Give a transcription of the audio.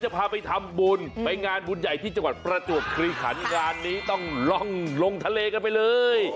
พาไปทำบุญไปงานบุญใหญ่ที่จังหวัดประจวบคลีขันงานนี้ต้องล่องลงทะเลกันไปเลย